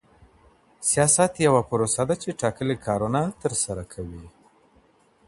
سياست يوه پروسه ده چي ټاکلي کارونه ترسره کوي.